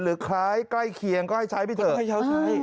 คล้ายใกล้เคียงก็ให้ใช้ไปเถอะ